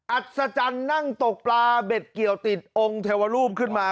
อัศจรรย์นั่งตกปลาเบ็ดเกี่ยวติดองค์เทวรูปขึ้นมา